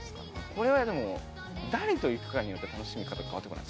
これは誰と行くかによって楽しみ方、変わってこない？